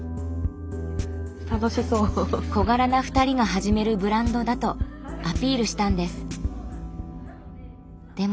小柄な２人が始めるブランドだとアピールしたんです。